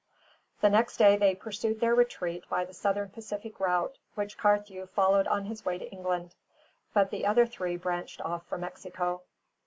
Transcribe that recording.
The next day they pursued their retreat by the Southern Pacific route, which Carthew followed on his way to England; but the other three branched off for Mexico.